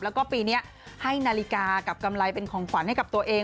แล้วก็ปีนี้ให้นาฬิกากับกำไรเป็นของขวัญให้กับตัวเอง